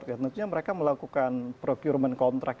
ya tentunya mereka melakukan procurement contract